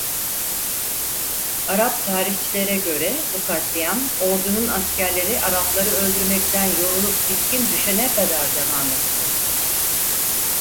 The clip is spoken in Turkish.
Arap tarihçilerine göre bu katliam ordunun askerleri Arapları öldürmekten yorulup bitkin düşene kadar devam etti.